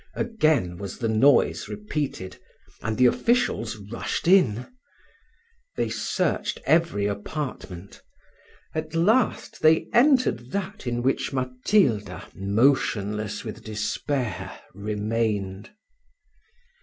Again was the noise repeated, and the officials rushed in. They searched every apartment; at last they entered that in which Matilda, motionless with despair, remained.